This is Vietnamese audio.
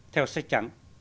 theo sách trắng